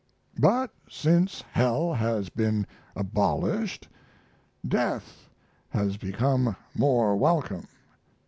But since hell has been abolished death has become more welcome.